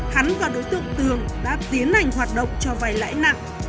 hắn và đối tượng tường đã tiến hành hoạt động cho vay lãi nặng